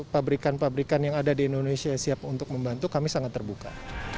pabrikan pabrikan yang ada di indonesia siap untuk membantu kami sangat terbuka